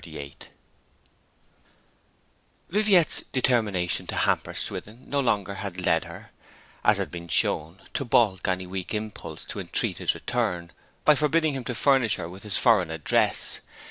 XXXVIII Viviette's determination to hamper Swithin no longer had led her, as has been shown, to balk any weak impulse to entreat his return, by forbidding him to furnish her with his foreign address.